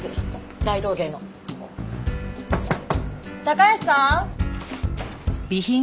高安さん？